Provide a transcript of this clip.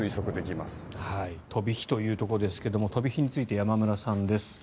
飛び火というところですが飛び火について山村さんです。